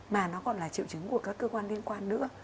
mà nó còn là triệu chứng của các cơ quan liên quan nữa